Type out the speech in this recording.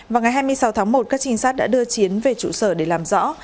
vào ngày hai mươi sáu tháng một các trinh sát đã đưa chiến về trụ sở để làm rõ